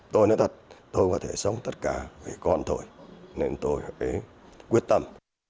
tôi nói thật tôi có thể sống tất cả vì con thôi nên tôi phải quyết tâm